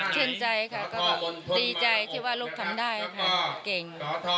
ชื่นใจค่ะก็ดีใจที่ว่าลูกทำได้ค่ะเก่ง